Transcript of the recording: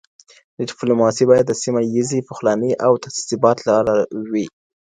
ډیپلوماسي باید د سیمه ییزې پخلایني او ثبات لاره وي.